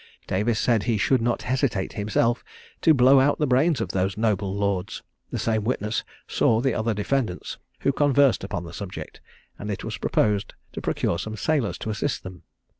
Davis said he should not hesitate, himself, to blow out the brains of those noble lords; the same witness saw the other defendants, who conversed upon the subject; and it was proposed to procure some sailors to assist them.